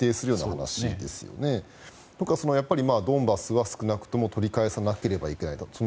あとはドンバスは少なくとも取り返さなければいけないとか